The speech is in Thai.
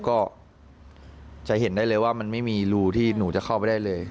ก็จะเห็นได้เลยว่ามันไม่มีรูที่หนูจะเข้าไปได้เลย